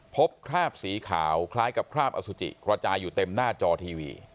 คราบสีขาวคล้ายกับคราบอสุจิกระจายอยู่เต็มหน้าจอทีวี